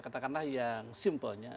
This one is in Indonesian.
katakanlah yang simpelnya